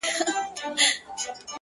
• ستا د تن سايه مي په وجود كي ده ـ